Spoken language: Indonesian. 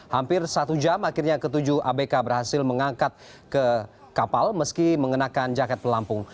hampir satu jam akhirnya ketujuh abk berhasil mengangkat ke kapal meski mengenakan jaket pelampung